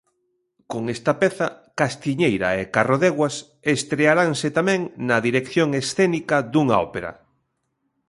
Con esta peza, Castiñeira e Carrodeguas estrearanse tamén na dirección escénica dunha ópera.